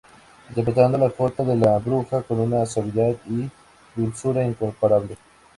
Interpretando la Jota de "La Bruja" con una suavidad y dulzura incomparables.